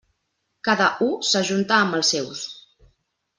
Cada u s'ajunta amb els seus.